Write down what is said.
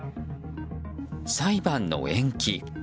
裁判の延期。